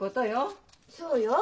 そうよ。